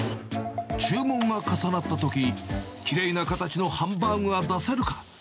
注文が重なったとき、きれいな形のハンバーグが出せるか。